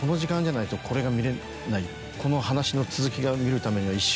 この話の続きが見るためには。